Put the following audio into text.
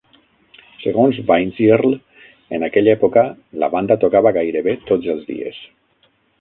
Segons Weinzierl, en aquella època, la banda tocava gairebé tots els dies.